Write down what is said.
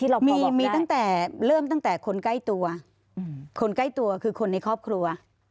เริ่มตั้งแต่คนใกล้ตัวคนใกล้ตัวคือคนในครอบครัว